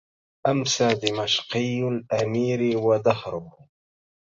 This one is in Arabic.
أمسى دمشقي الأمير ودهره